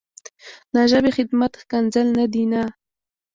د ژبې خدمت ښکنځل نه دي نه.